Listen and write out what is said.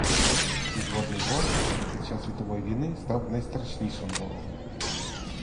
Підводний ворог під час світової війни став найстрашнішим ворогом.